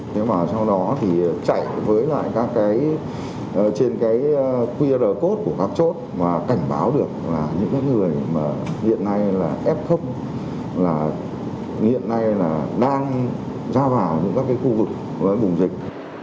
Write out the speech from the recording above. thế mà sau đó thì chạy với lại các cái trên cái qr code của các chốt và cảnh báo được là những người hiện nay là f hiện nay là đang ra vào những các cái khu vực với bùng dịch